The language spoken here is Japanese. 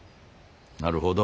なるほど。